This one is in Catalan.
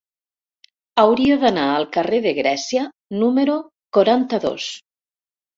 Hauria d'anar al carrer de Grècia número quaranta-dos.